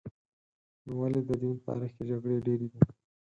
نو ولې د دین په تاریخ کې جګړې ډېرې دي؟